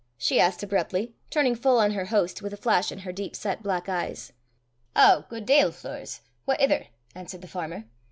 she asked abruptly, turning full on her host, with a flash in her deep set black eyes. "Ow, guid dale fleers what ither?" answered the farmer.